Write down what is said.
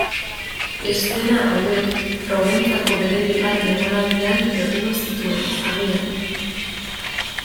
Eszena hauek Proventzako bere bigarren egonaldian egingo zituen, agian.